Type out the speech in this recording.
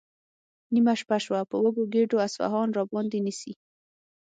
نیمه شپه شوه، په وږو ګېډو اصفهان راباندې نیسي؟